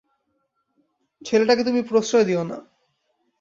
ছেলেটাকে তুমি প্রশ্রয় দিয়ো না।